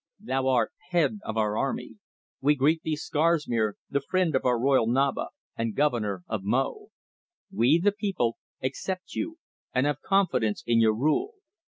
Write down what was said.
Thou art head of our army! We greet thee, Scarsmere, the friend of our royal Naba, and Governor of Mo! We, the people, accept you, and have confidence in your rule.